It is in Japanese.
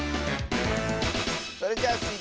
それじゃあスイ